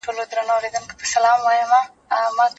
ژوند د هر انسان لپاره یو الهي حق دی او درناوی ورته وکړئ.